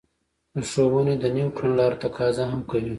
د ښوونې د نويو کړنلارو تقاضا هم کوي.